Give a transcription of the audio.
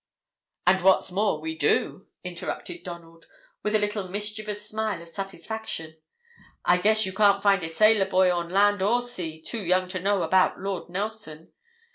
"And what's more, we do," interrupted Donald, with a little mischievous smile of satisfaction; "I guess you can't find a sailor boy on land or sea too young to know about Lord Nelson.